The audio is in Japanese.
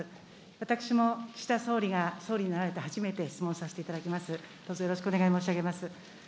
私も岸田総理が総理になられて初めて質問させていただきます。